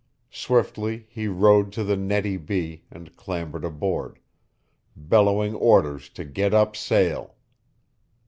Swiftly he rowed to the Nettie B. and clambered aboard, bellowing orders to get up sail.